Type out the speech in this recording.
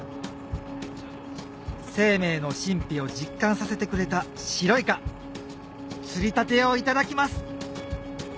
生命の神秘を実感させてくれた白イカ釣りたてをいただきます！